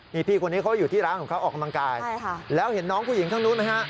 นี่พี่คนนี้เขาอยู่ที่ร้านของเขาออกกำลังกายแล้วเห็นน้องผู้หญิงทั้งนู้นไหมฮะ